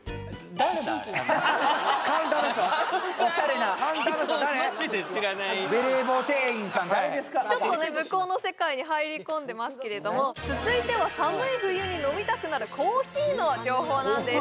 誰ですかちょっとね向こうの世界に入り込んでますけれども続いては寒い冬に飲みたくなるコーヒーの情報なんです